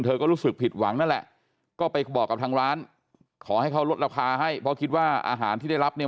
ก็รู้สึกผิดหวังนั่นแหละก็ไปบอกกับทางร้านขอให้เขาลดราคาให้เพราะคิดว่าอาหารที่ได้รับเนี่ย